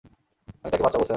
আমি তাকে বাঁচাবো, স্যার।